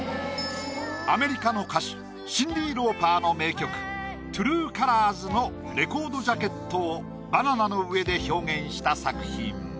アメリカの歌手シンディ・ローパーの名曲「ＴＲＵＥＣＯＬＯＲＳ」のレコードジャケットをバナナの上で表現した作品。